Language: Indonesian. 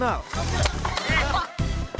dan juga mainan tradisional